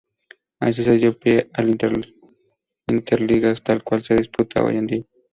Así se dio pie al Interligas tal cual se disputa hoy en día.